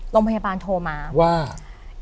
โรงพยาบาลโทรมาว่า